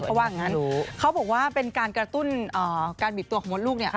เพราะว่างั้นเขาบอกว่าเป็นการกระตุ้นการบิดตัวของมดลูกเนี่ย